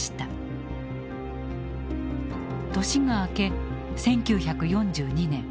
年が明け１９４２年。